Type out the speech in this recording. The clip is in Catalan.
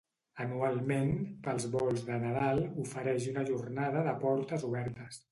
Anualment, pels volts de Nadal ofereix una jornada de portes obertes.